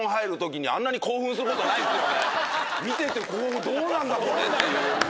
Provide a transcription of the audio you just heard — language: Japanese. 見てて今後どうなるんだろうっていう。